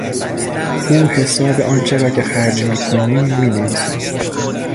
او حساب آنچه را که خرج میکنیم مینویسد.